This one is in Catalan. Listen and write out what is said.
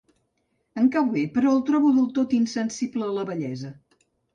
Em cau bé, però el trobo del tot insensible a la bellesa.